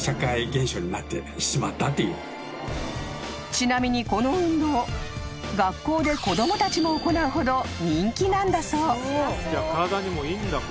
［ちなみにこの運動学校で子供たちも行うほど人気なんだそう］